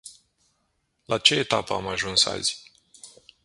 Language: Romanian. La ce etapă am ajuns azi?